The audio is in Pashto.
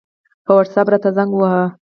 په وټساپ راته زنګ ووهه